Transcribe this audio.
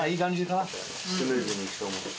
スムーズにいくと思うよ。